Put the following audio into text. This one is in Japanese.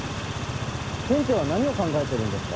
店長は何を考えてるんですか？